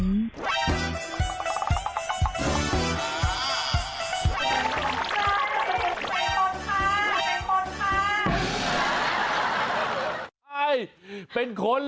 เจอเห็นเป็นคนค่ะเป็นคนค่ะ